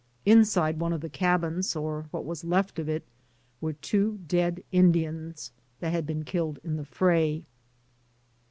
Inside one of the cabins — or what was left of it — were two dead Indians that had been killed in the fray.